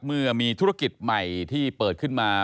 เมื่อมีธุรกิจใหม่ที่เปิดขึ้นมา